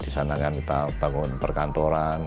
di sana kan kita bangun perkantoran